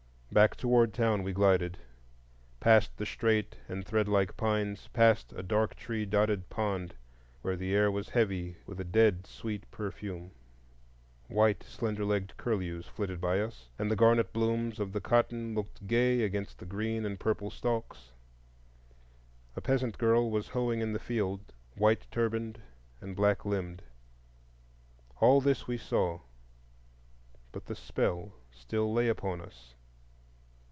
Back toward town we glided, past the straight and thread like pines, past a dark tree dotted pond where the air was heavy with a dead sweet perfume. White slender legged curlews flitted by us, and the garnet blooms of the cotton looked gay against the green and purple stalks. A peasant girl was hoeing in the field, white turbaned and black limbed. All this we saw, but the spell still lay upon us.